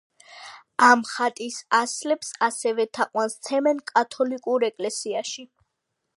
ამ ხატის ასლებს ასევე თაყვანს სცემენ კათოლიკურ ეკლესიაში.